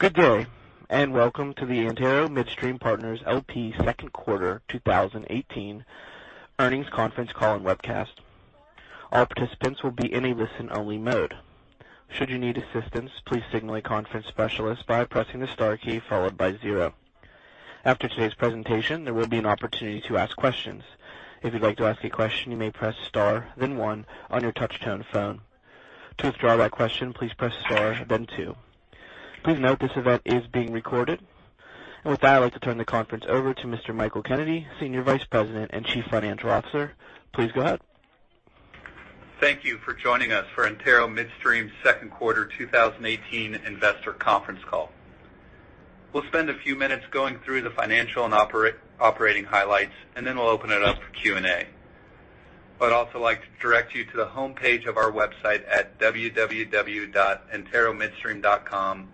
Good day. Welcome to the Antero Midstream Partners LP second quarter 2018 earnings conference call and webcast. All participants will be in a listen-only mode. Should you need assistance, please signal a conference specialist by pressing the star key followed by 0. After today's presentation, there will be an opportunity to ask questions. If you'd like to ask a question, you may press star then 1 on your touchtone phone. To withdraw that question, please press star then 2. Please note this event is being recorded. With that, I'd like to turn the conference over to Mr. Michael Kennedy, Senior Vice President and Chief Financial Officer. Please go ahead. Thank you for joining us for Antero Midstream's second quarter 2018 investor conference call. We'll spend a few minutes going through the financial and operating highlights. Then we'll open it up for Q&A. I'd also like to direct you to the homepage of our website at www.anteromidstream.com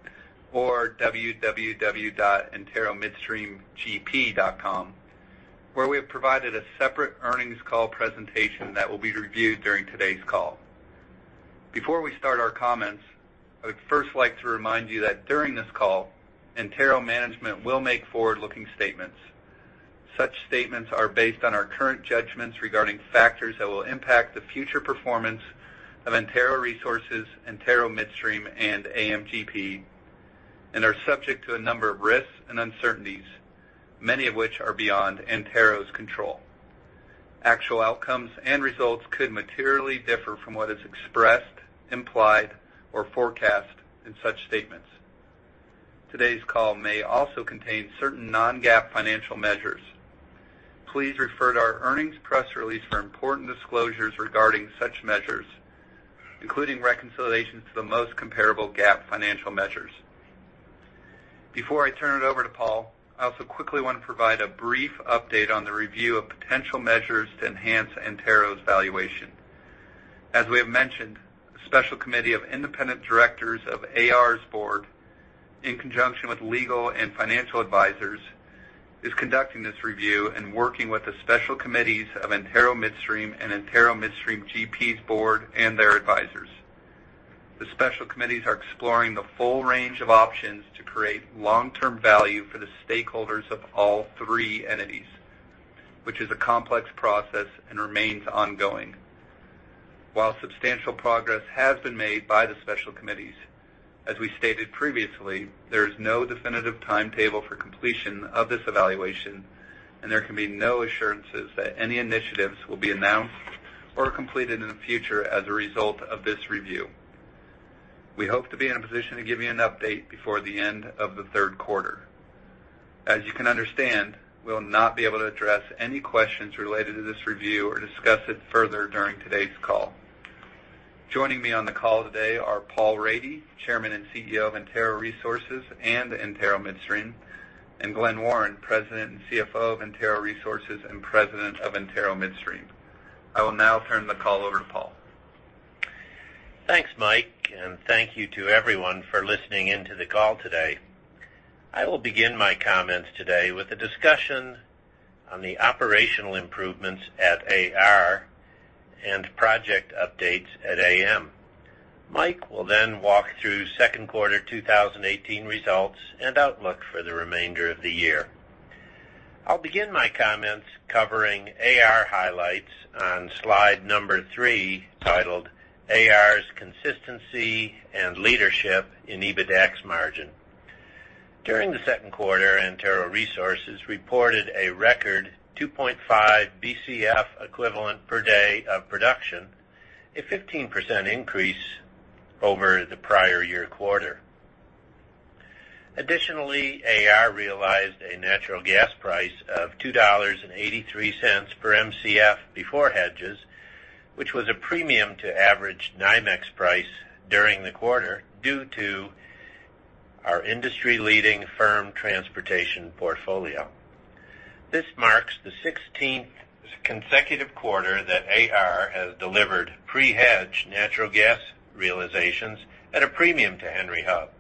or www.anteromidstreamgp.com, where we have provided a separate earnings call presentation that will be reviewed during today's call. Before we start our comments, I would first like to remind you that during this call, Antero management will make forward-looking statements. Such statements are based on our current judgments regarding factors that will impact the future performance of Antero Resources, Antero Midstream, and AMGP, and are subject to a number of risks and uncertainties, many of which are beyond Antero's control. Actual outcomes and results could materially differ from what is expressed, implied, or forecast in such statements. Today's call may also contain certain non-GAAP financial measures. Please refer to our earnings press release for important disclosures regarding such measures, including reconciliations to the most comparable GAAP financial measures. Before I turn it over to Paul, I also quickly want to provide a brief update on the review of potential measures to enhance Antero's valuation. As we have mentioned, a special committee of independent directors of AR's board, in conjunction with legal and financial advisors, is conducting this review and working with the special committees of Antero Midstream and Antero Midstream GP's board and their advisors. The special committees are exploring the full range of options to create long-term value for the stakeholders of all three entities, which is a complex process and remains ongoing. While substantial progress has been made by the special committees, as we stated previously, there is no definitive timetable for completion of this evaluation. There can be no assurances that any initiatives will be announced or completed in the future as a result of this review. We hope to be in a position to give you an update before the end of the third quarter. You can understand, we'll not be able to address any questions related to this review or discuss it further during today's call. Joining me on the call today are Paul Rady, Chairman and CEO of Antero Resources and Antero Midstream, and Glen Warren, President and CFO of Antero Resources and President of Antero Midstream. I will now turn the call over to Paul. Thanks, Mike, and thank you to everyone for listening in to the call today. I will begin my comments today with a discussion on the operational improvements at AR and project updates at AM. Mike will then walk through second quarter 2018 results and outlook for the remainder of the year. I will begin my comments covering AR highlights on slide number 3, titled AR's Consistency and Leadership in EBITDAX Margin. During the second quarter, Antero Resources reported a record 2.5 Bcf equivalent per day of production, a 15% increase over the prior year quarter. Additionally, AR realized a natural gas price of $2.83 per Mcf before hedges, which was a premium to average NYMEX price during the quarter due to our industry-leading firm transportation portfolio. This marks the 16th consecutive quarter that AR has delivered pre-hedged natural gas realizations at a premium to Henry Hub.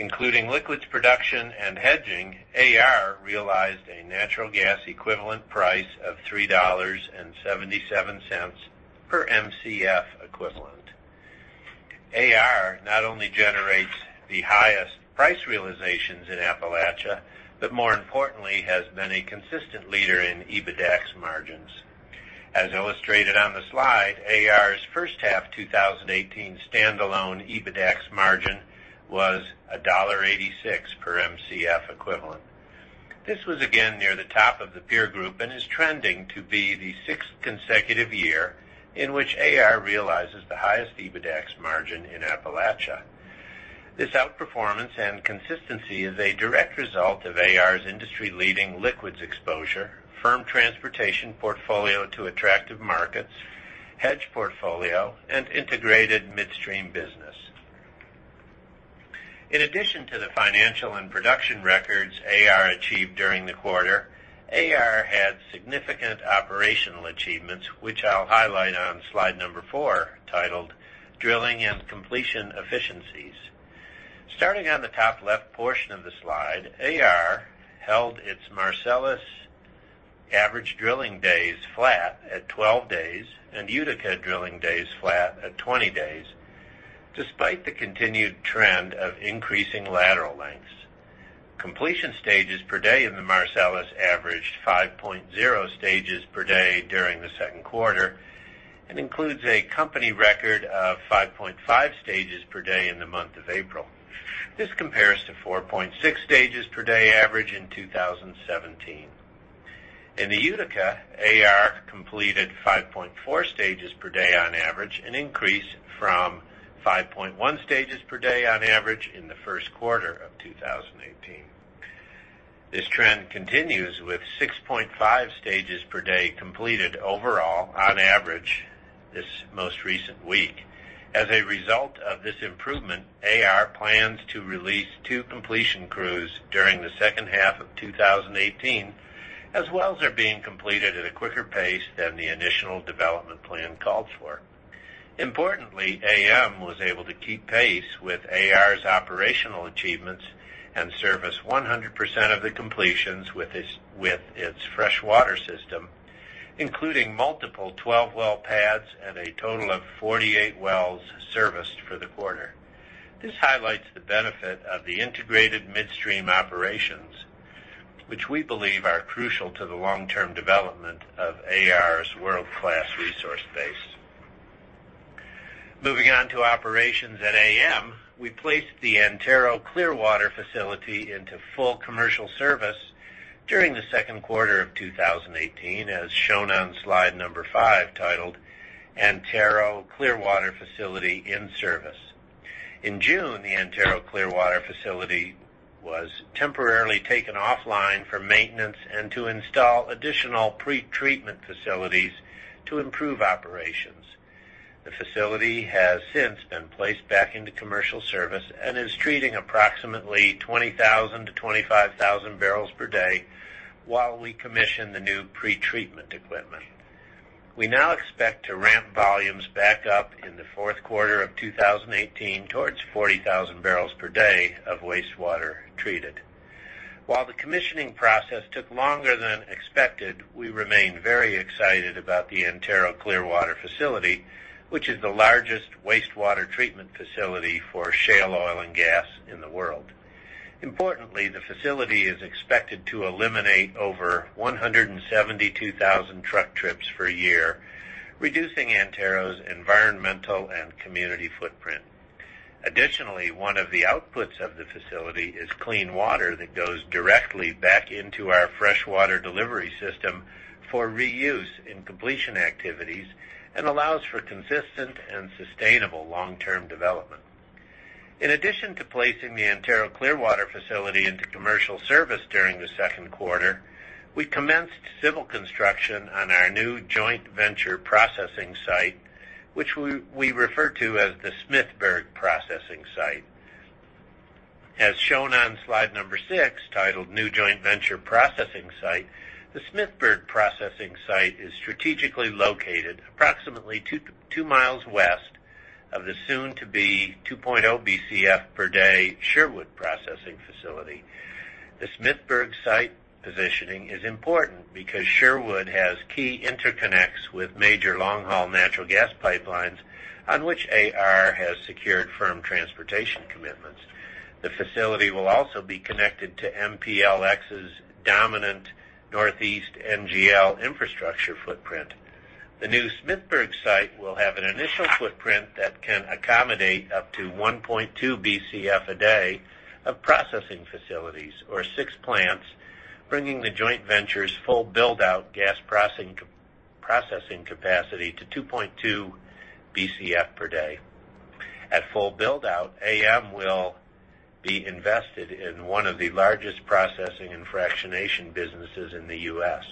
Including liquids production and hedging, AR realized a natural gas equivalent price of $3.77 per Mcf equivalent. AR not only generates the highest price realizations in Appalachia, but more importantly, has been a consistent leader in EBITDAX margins. As illustrated on the slide, AR's first half 2018 stand-alone EBITDAX margin was $1.86 per Mcf equivalent. This was again near the top of the peer group and is trending to be the sixth consecutive year in which AR realizes the highest EBITDAX margin in Appalachia. This outperformance and consistency is a direct result of AR's industry-leading liquids exposure, firm transportation portfolio to attractive markets, hedge portfolio, and integrated midstream business. In addition to the financial and production records AR achieved during the quarter, AR had significant operational achievements, which I will highlight on slide number 4, titled Drilling and Completion Efficiencies. Starting on the top left portion of the slide, AR held its Marcellus Average drilling days flat at 12 days, and Utica drilling days flat at 20 days, despite the continued trend of increasing lateral lengths. Completion stages per day in the Marcellus averaged 5.0 stages per day during the second quarter and includes a company record of 5.5 stages per day in the month of April. This compares to 4.6 stages per day average in 2017. In the Utica, AR completed 5.4 stages per day on average, an increase from 5.1 stages per day on average in the first quarter of 2018. This trend continues with 6.5 stages per day completed overall on average this most recent week. As a result of this improvement, AR plans to release two completion crews during the second half of 2018, as wells are being completed at a quicker pace than the initial development plan called for. Importantly, AM was able to keep pace with AR's operational achievements and service 100% of the completions with its freshwater system, including multiple 12-well pads and a total of 48 wells serviced for the quarter. This highlights the benefit of the integrated midstream operations, which we believe are crucial to the long-term development of AR's world-class resource base. Moving on to operations at AM, we placed the Antero Clearwater Facility into full commercial service during the second quarter of 2018, as shown on slide number 5 titled "Antero Clearwater Facility in Service." In June, the Antero Clearwater Facility was temporarily taken offline for maintenance and to install additional pretreatment facilities to improve operations. The facility has since been placed back into commercial service and is treating approximately 20,000-25,000 barrels per day while we commission the new pretreatment equipment. We now expect to ramp volumes back up in the fourth quarter of 2018 towards 40,000 barrels per day of wastewater treated. While the commissioning process took longer than expected, we remain very excited about the Antero Clearwater Facility, which is the largest wastewater treatment facility for shale oil and gas in the world. Importantly, the facility is expected to eliminate over 172,000 truck trips per year, reducing Antero's environmental and community footprint. Additionally, one of the outputs of the facility is clean water that goes directly back into our freshwater delivery system for reuse in completion activities and allows for consistent and sustainable long-term development. In addition to placing the Antero Clearwater Facility into commercial service during the second quarter, we commenced civil construction on our new joint venture processing site, which we refer to as the Smithburg Processing Site. As shown on slide number six, titled "New Joint Venture Processing Site," the Smithburg Processing Site is strategically located approximately two miles west of the soon-to-be 2.0 Bcf per day Sherwood processing facility. The Smithburg site positioning is important because Sherwood has key interconnects with major long-haul natural gas pipelines on which AR has secured firm transportation commitments. The facility will also be connected to MPLX's dominant Northeast NGL infrastructure footprint. The new Smithburg site will have an initial footprint that can accommodate up to 1.2 Bcf a day of processing facilities or six plants, bringing the joint venture's full build-out gas processing capacity to 2.2 Bcf per day. At full build-out, AM will be invested in one of the largest processing and fractionation businesses in the U.S.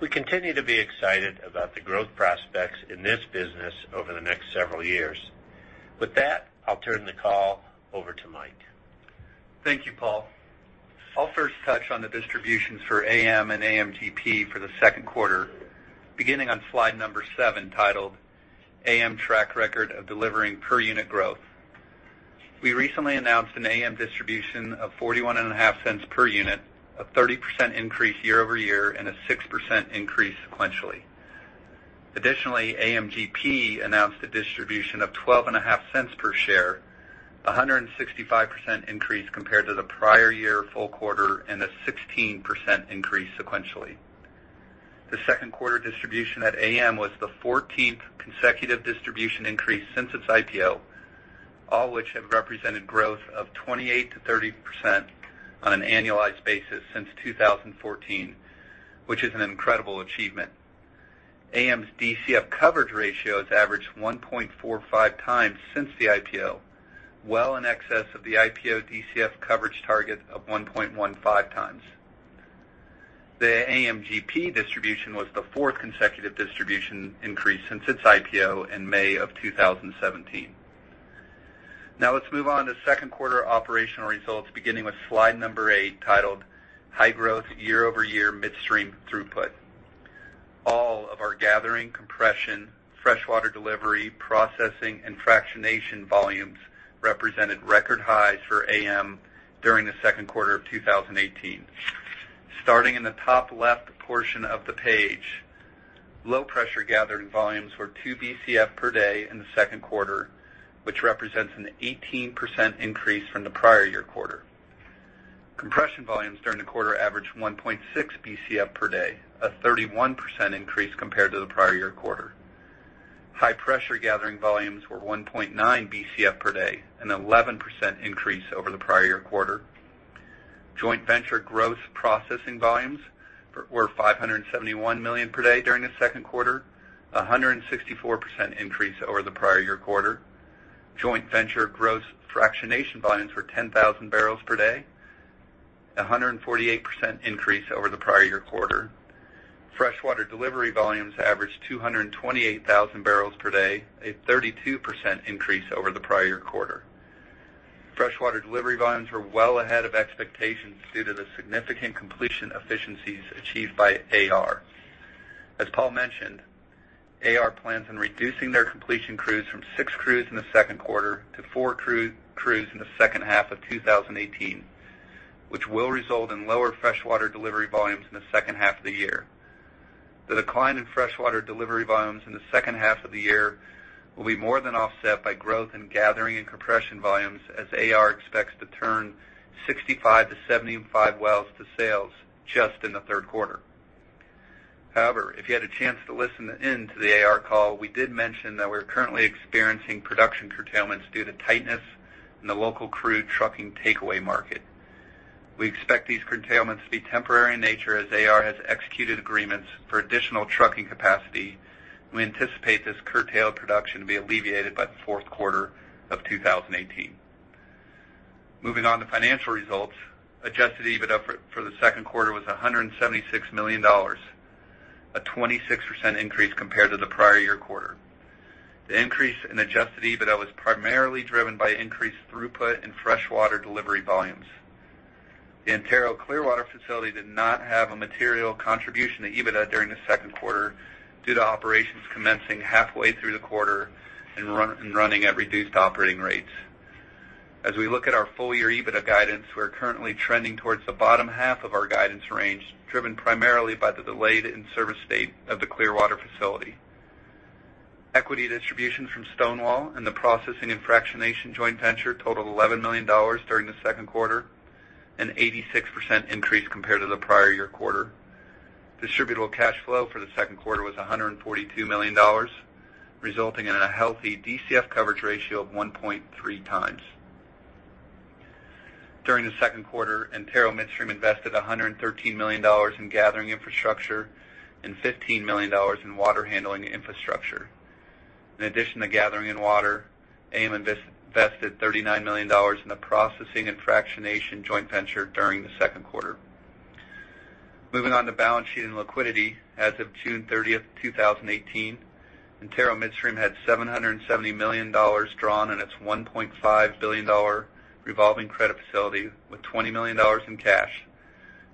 We continue to be excited about the growth prospects in this business over the next several years. With that, I'll turn the call over to Mike. Thank you, Paul. I'll first touch on the distributions for AM and AMGP for the second quarter, beginning on slide number seven, titled "AM Track Record of Delivering Per Unit Growth." We recently announced an AM distribution of $0.415 per unit, a 30% increase year-over-year and a 6% increase sequentially. Additionally, AMGP announced a distribution of $0.125 per share, 165% increase compared to the prior year full quarter and a 16% increase sequentially. The second quarter distribution at AM was the 14th consecutive distribution increase since its IPO, all which have represented growth of 28%-30% on an annualized basis since 2014, which is an incredible achievement. AM's DCF coverage ratio has averaged 1.45 times since the IPO, well in excess of the IPO DCF coverage target of 1.15 times. The AMGP distribution was the fourth consecutive distribution increase since its IPO in May of 2017. Let's move on to second quarter operational results, beginning with slide number eight, titled "High Growth Year-over-Year Midstream Throughput." All of our gathering, compression, freshwater delivery, processing, and fractionation volumes represented record highs for AM during the second quarter of 2018. Starting in the top left portion of the page, low pressure gathering volumes were two Bcf per day in the second quarter, which represents an 18% increase from the prior year quarter. Compression volumes during the quarter averaged 1.6 Bcf per day, a 31% increase compared to the prior year quarter. High pressure gathering volumes were 1.9 Bcf per day, an 11% increase over the prior year quarter. Joint venture gross processing volumes were 571 million per day during the second quarter, 164% increase over the prior year quarter. Joint venture gross fractionation volumes were 10,000 barrels per day, 148% increase over the prior year quarter. Freshwater delivery volumes averaged 228,000 barrels per day, a 32% increase over the prior year quarter. Freshwater delivery volumes were well ahead of expectations due to the significant completion efficiencies achieved by AR. As Paul mentioned, AR plans on reducing their completion crews from six crews in the second quarter to four crews in the second half of 2018, which will result in lower freshwater delivery volumes in the second half of the year. The decline in freshwater delivery volumes in the second half of the year will be more than offset by growth in gathering and compression volumes, as AR expects to turn 65 to 75 wells to sales just in the third quarter. If you had a chance to listen in to the AR call, we did mention that we're currently experiencing production curtailments due to tightness in the local crude trucking takeaway market. We expect these curtailments to be temporary in nature, as AR has executed agreements for additional trucking capacity. We anticipate this curtailed production to be alleviated by the fourth quarter of 2018. Moving on to financial results. Adjusted EBITDA for the second quarter was $176 million, a 26% increase compared to the prior year quarter. The increase in adjusted EBITDA was primarily driven by increased throughput and freshwater delivery volumes. The Antero Clearwater Facility did not have a material contribution to EBITDA during the second quarter due to operations commencing halfway through the quarter and running at reduced operating rates. As we look at our full year EBITDA guidance, we're currently trending towards the bottom half of our guidance range, driven primarily by the delayed in-service date of the Clearwater Facility. Equity distributions from Stonewall and the processing and fractionation joint venture totaled $11 million during the second quarter, an 86% increase compared to the prior year quarter. Distributable cash flow for the second quarter was $142 million, resulting in a healthy DCF coverage ratio of 1.3 times. During the second quarter, Antero Midstream invested $113 million in gathering infrastructure and $15 million in water handling infrastructure. In addition to gathering and water, AM invested $39 million in the processing and fractionation joint venture during the second quarter. Moving on to balance sheet and liquidity. As of June 30th, 2018, Antero Midstream had $770 million drawn in its $1.5 billion revolving credit facility with $20 million in cash,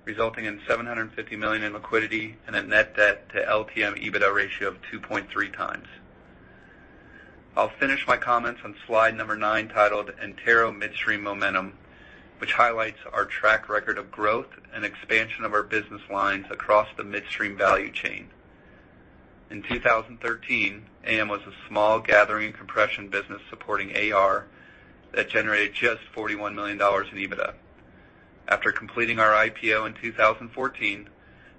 resulting in $750 million in liquidity and a net debt to LTM EBITDA ratio of 2.3 times. I'll finish my comments on slide number nine titled Antero Midstream Momentum, which highlights our track record of growth and expansion of our business lines across the midstream value chain. In 2013, AM was a small gathering and compression business supporting AR that generated just $41 million in EBITDA. After completing our IPO in 2014,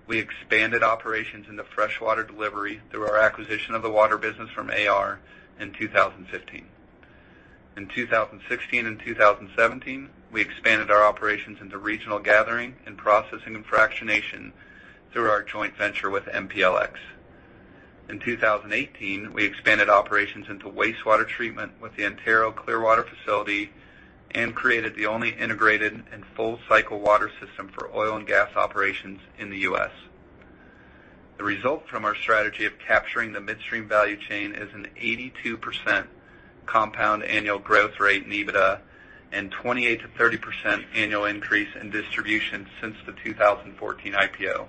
we expanded operations into freshwater delivery through our acquisition of the water business from AR in 2015. In 2016 and 2017, we expanded our operations into regional gathering and processing and fractionation through our joint venture with MPLX. In 2018, we expanded operations into wastewater treatment with the Antero Clearwater Facility and created the only integrated and full cycle water system for oil and gas operations in the U.S. The result from our strategy of capturing the midstream value chain is an 82% compound annual growth rate in EBITDA and 28%-30% annual increase in distribution since the 2014 IPO.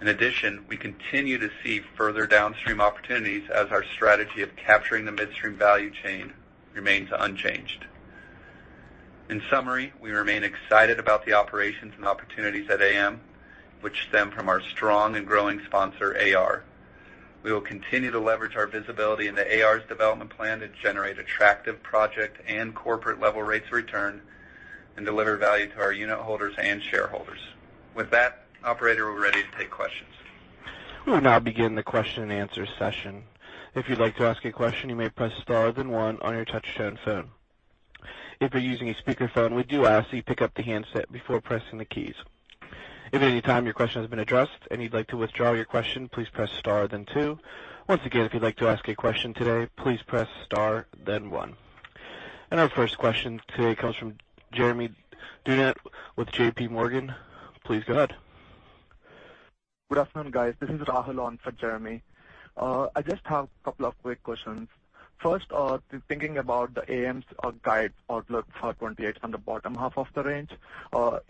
In addition, we continue to see further downstream opportunities as our strategy of capturing the midstream value chain remains unchanged. In summary, we remain excited about the operations and opportunities at AM, which stem from our strong and growing sponsor, AR. We will continue to leverage our visibility into AR's development plan to generate attractive project and corporate level rates of return and deliver value to our unitholders and shareholders. With that, operator, we're ready to take questions. We will now begin the question and answer session. If you'd like to ask a question, you may press star then one on your touchtone phone. If you're using a speakerphone, we do ask that you pick up the handset before pressing the keys. If at any time your question has been addressed and you'd like to withdraw your question, please press star then two. Once again, if you'd like to ask a question today, please press star then one. Our first question today comes from Jeremy Tonet with JPMorgan. Please go ahead. Good afternoon, guys. This is Rahul on for Jeremy. I just have a couple of quick questions. First, thinking about the AM's guide outlook for 2028 on the bottom half of the range. Are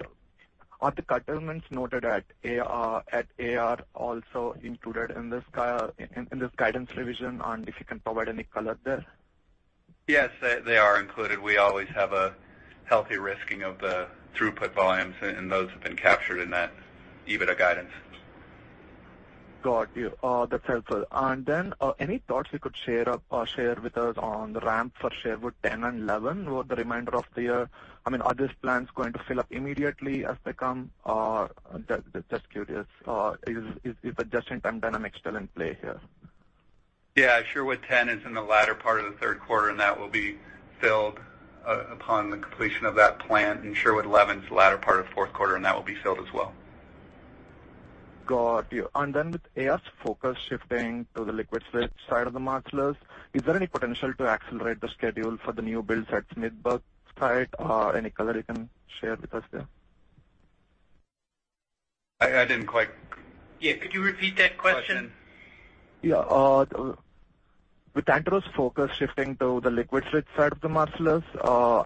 the curtailments noted at AR also included in this guidance revision, if you can provide any color there? Yes, they are included. We always have a healthy risking of the throughput volumes, those have been captured in that EBITDA guidance. Got you. That's helpful. Any thoughts you could share with us on the ramp for Sherwood 10 and 11 over the remainder of the year? Are those plants going to fill up immediately as they come? Just curious, is adjustment and dynamic still in play here? Yeah. Sherwood 10 is in the latter part of the third quarter, that will be filled upon the completion of that plant. Sherwood 11's the latter part of fourth quarter, that will be filled as well. Got you. With AR's focus shifting to the liquids-rich side of the Marcellus, is there any potential to accelerate the schedule for the new builds at Smithburg site? Any color you can share with us there? Yeah, could you repeat that question? Yeah. With Antero's focus shifting to the liquids-rich side of the Marcellus,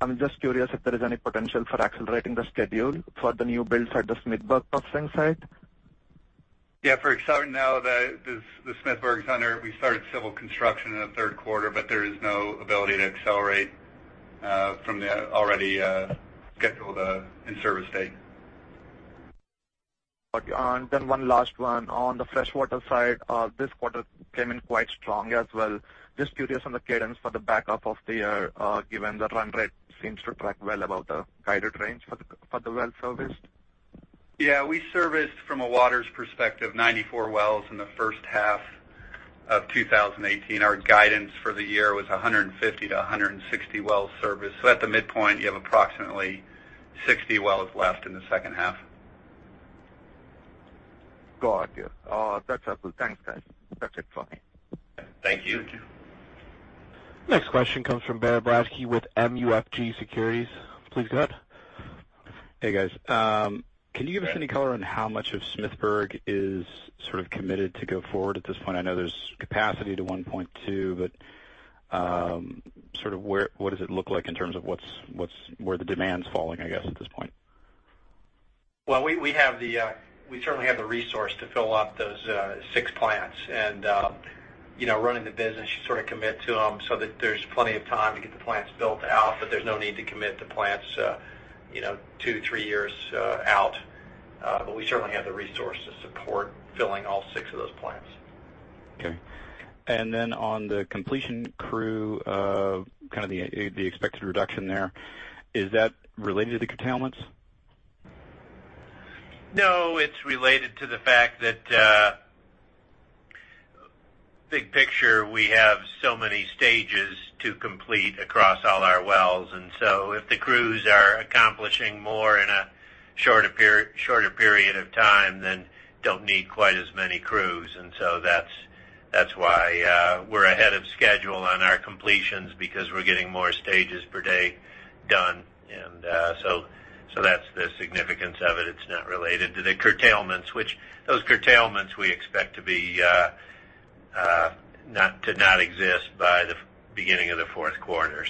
I'm just curious if there is any potential for accelerating the schedule for the new builds at the Smithburg Processing Site. Yeah. For starting now, the Smithburg Processing Site, we started civil construction in the third quarter, there is no ability to accelerate from the already scheduled in-service date. Got you. One last one. On the freshwater side, this quarter came in quite strong as well. Just curious on the cadence for the back half of the year, given the run rate seems to track well above the guided range for the well service. Yeah. We serviced, from a waters perspective, 94 wells in the first half of 2018. Our guidance for the year was 150-160 wells serviced. At the midpoint, you have approximately 60 wells left in the second half. Got you. That's helpful. Thanks, guys. That's it for me. Thank you. Thank you. Next question comes from Ben Brodsky with MUFG Securities. Please go ahead. Hey, guys. Hi. Can you give us any color on how much of Smithburg is sort of committed to go forward at this point? I know there's capacity to 1.2, but what does it look like in terms of where the demand's falling, I guess, at this point? Well, we certainly have the resource to fill up those six plants. Running the business, you sort of commit to them so that there's plenty of time to get the plants built out, there's no need to commit to plants two, three years out. We certainly have the resource to support filling all six of those plants. Okay. Then on the completion crew, the expected reduction there, is that related to the curtailments? No. It's related to the fact that big picture, we have so many stages to complete across all our wells. If the crews are accomplishing more in a shorter period of time, then don't need quite as many crews. That's why we're ahead of schedule on our completions, because we're getting more stages per day done. That's the significance of it. It's not related to the curtailments, which those curtailments we expect to not exist by the beginning of the fourth quarter.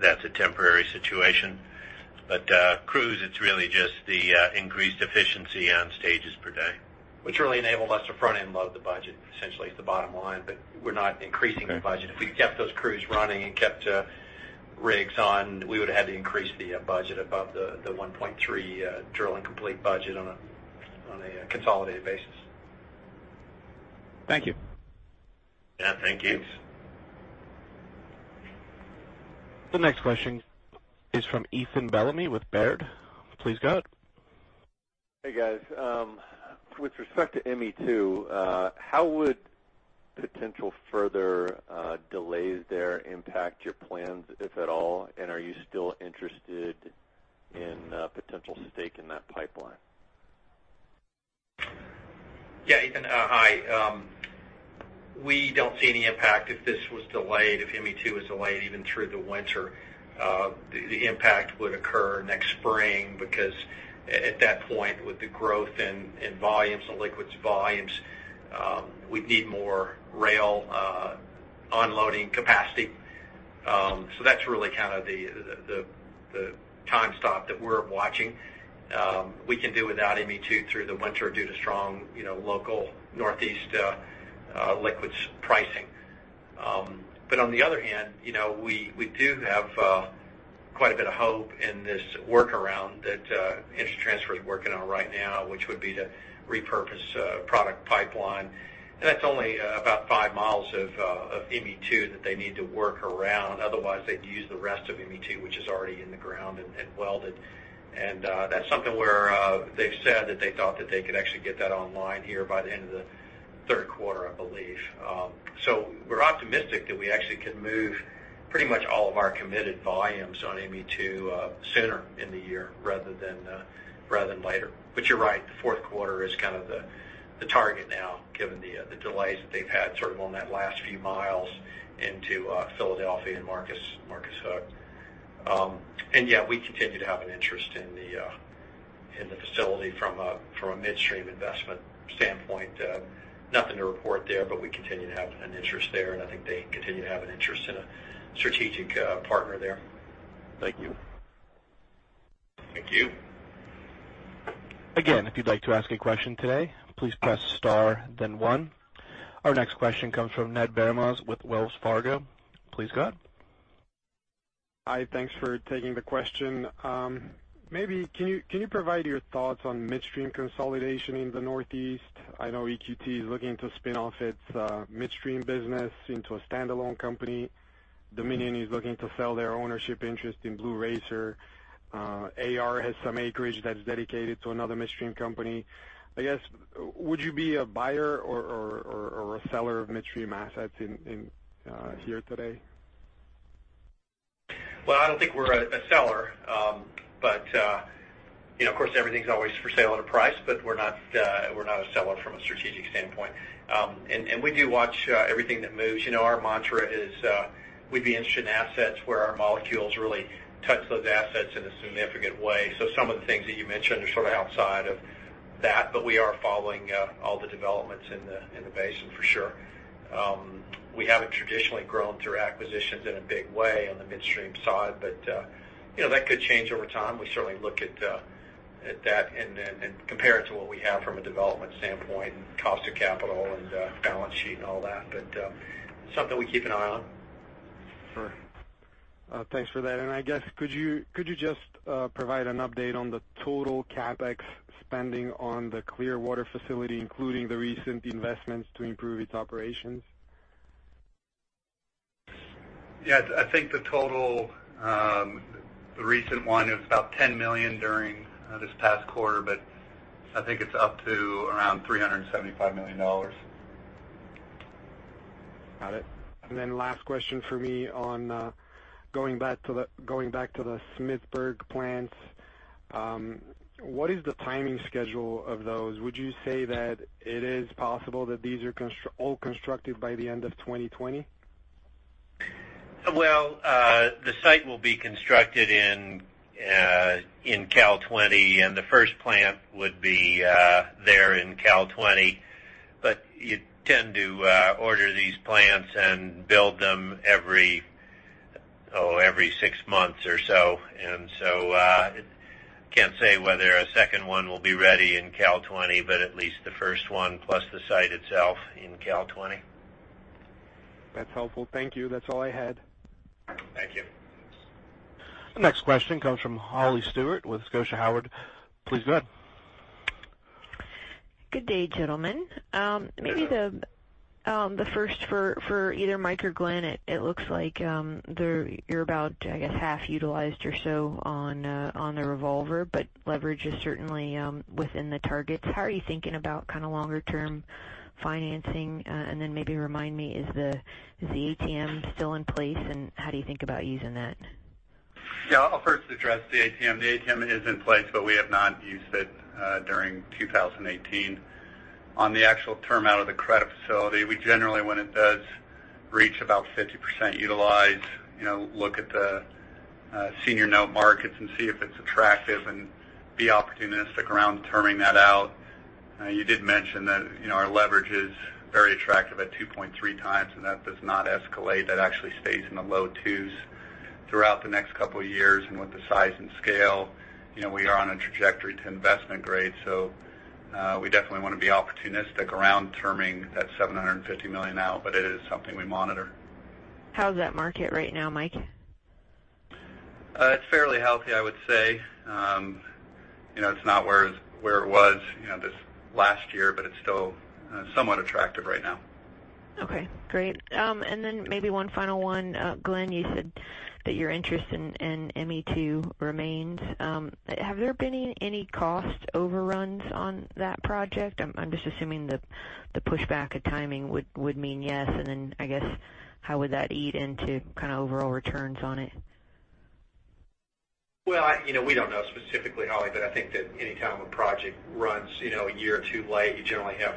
That's a temporary situation. Crews, it's really just the increased efficiency on stages per day. Which really enabled us to front-end load the budget essentially is the bottom line, but we're not increasing the budget. Okay. If we kept those crews running and kept rigs on, we would've had to increase the budget above the $1.3 drilling complete budget on a consolidated basis. Thank you. Yeah. Thank you. The next question is from Ethan Bellamy with Baird. Please go ahead. Hey, guys. With respect to ME2, how would potential further delays there impact your plans, if at all? Are you still interested in a potential stake in that pipeline? Yeah, Ethan. Hi. We don't see any impact if this was delayed. If ME2 is delayed even through the winter, the impact would occur next spring because at that point, with the growth in volumes, the liquids volumes, we'd need more rail unloading capacity. That's really the time stop that we're watching. We can do without ME2 through the winter due to strong local Northeast liquids pricing. On the other hand, we do have quite a bit of hope in this workaround that Energy Transfer is working on right now, which would be to repurpose a product pipeline. That's only about five miles of ME2 that they need to work around. Otherwise, they'd use the rest of ME2, which is already in the ground and welded. That's something where they've said that they thought that they could actually get that online here by the end of the third quarter, I believe. We're optimistic that we actually can move pretty much all of our committed volumes on ME2 sooner in the year rather than later. You're right, the fourth quarter is the target now, given the delays that they've had on that last few miles into Philadelphia and Marcus Hook. Yeah, we continue to have an interest in the facility from a midstream investment standpoint. Nothing to report there, but we continue to have an interest there, and I think they continue to have an interest in a strategic partner there. Thank you. Thank you. Again, if you'd like to ask a question today, please press star then one. Our next question comes from Ned Vermaz with Wells Fargo. Please go ahead. Hi. Thanks for taking the question. Maybe can you provide your thoughts on midstream consolidation in the Northeast? I know EQT is looking to spin off its midstream business into a standalone company. Dominion is looking to sell their ownership interest in Blue Racer. AR has some acreage that's dedicated to another midstream company. I guess, would you be a buyer or a seller of midstream assets in here today? Well, I don't think we're a seller. Of course, everything's always for sale at a price, but we're not a seller from a strategic standpoint. We do watch everything that moves. Our mantra is, we'd be interested in assets where our molecules really touch those assets in a significant way. Some of the things that you mentioned are sort of outside of that, but we are following all the developments in the basin for sure. We haven't traditionally grown through acquisitions in a big way on the midstream side, but that could change over time. We certainly look at that and compare it to what we have from a development standpoint and cost of capital and balance sheet and all that, but something we keep an eye on. Sure. Thanks for that. I guess could you just provide an update on the total CapEx spending on the Clearwater Facility, including the recent investments to improve its operations? Yeah, I think the total, the recent one is about $10 million during this past quarter, but I think it's up to around $375 million. Got it. Last question for me on going back to the Smithsburg plants. What is the timing schedule of those? Would you say that it is possible that these are all constructed by the end of 2020? Well, the site will be constructed in cal 2020, and the first plant would be there in cal 2020. You tend to order these plants and build them every six months or so. Can't say whether a second one will be ready in cal 2020, but at least the first one plus the site itself in cal 2020. That's helpful. Thank you. That's all I had. Thank you. The next question comes from Holly Stewart with Scotia Howard Weil. Please go ahead. Good day, gentlemen. Maybe the first for either Mike or Glen. It looks like you're about, I guess, half utilized or so on the revolver, but leverage is certainly within the targets. How are you thinking about longer-term financing? Then maybe remind me, is the ATM still in place, and how do you think about using that? Yeah, I'll first address the ATM. The ATM is in place, but we have not used it during 2018. On the actual term out of the credit facility, we generally, when it does reach about 50% utilized, look at the senior note markets and see if it's attractive and be opportunistic around terming that out. You did mention that our leverage is very attractive at 2.3 times, and that does not escalate. That actually stays in the low twos throughout the next couple of years. With the size and scale, we are on a trajectory to investment grade. We definitely want to be opportunistic around terming that $750 million out, but it is something we monitor. How's that market right now, Mike? It's fairly healthy, I would say. It's not where it was this last year, but it's still somewhat attractive right now. Okay, great. Maybe one final one. Glen, you said that your interest in ME2 remains. Have there been any cost overruns on that project? I'm just assuming the pushback of timing would mean yes. I guess, how would that eat into kind of overall returns on it? Well, we don't know specifically, Holly, I think that any time a project runs a year or two late, you generally have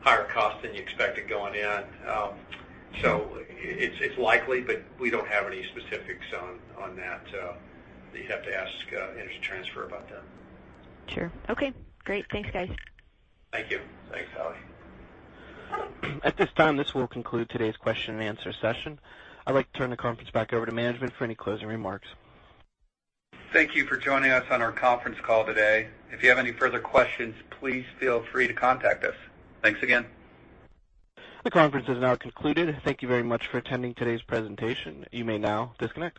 higher costs than you expected going in. It's likely, but we don't have any specifics on that. You'd have to ask Energy Transfer about that. Sure. Okay, great. Thanks, guys. Thank you. Thanks, Holly. At this time, this will conclude today's question and answer session. I'd like to turn the conference back over to management for any closing remarks. Thank you for joining us on our conference call today. If you have any further questions, please feel free to contact us. Thanks again. The conference is now concluded. Thank you very much for attending today's presentation. You may now disconnect.